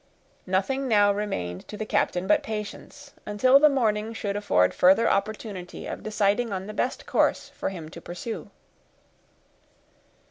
Nothing now remained to the captain but patience, until the morning should afford further opportunity of deciding on the best course for him to pursue.